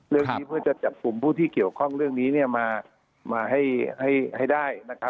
เรื่องนี้เพื่อจะจับกลุ่มผู้ที่เกี่ยวข้องเรื่องนี้มาให้ได้นะครับ